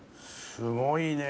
すごいね。